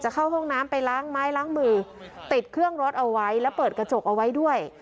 เข้าห้องน้ำไปล้างไม้ล้างมือติดเครื่องรถเอาไว้แล้วเปิดกระจกเอาไว้ด้วย